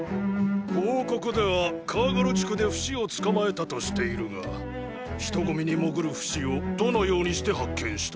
報告ではカーガル地区でフシを捕まえたとしているが人混みに潜るフシをどのようにして発見した？